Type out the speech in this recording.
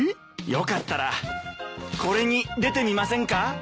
よかったらこれに出てみませんか？